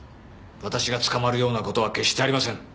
私が捕まるようなことは決してありません